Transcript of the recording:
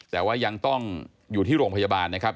แต่ว่ายังต้องอยู่ที่โรงพยาบาลนะครับ